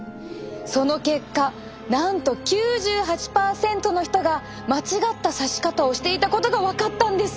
その結果なんと９８％の人が間違ったさし方をしていたことが分かったんです！